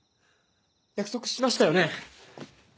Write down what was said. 約束しましたよね。